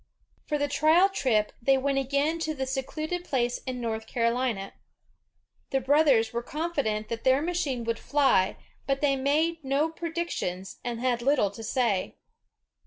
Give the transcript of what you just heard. For the trial trip, they went again to the secluded place in North Carolina. The brothers were confident that their machine would fly, but they made no predictions, and had little to say.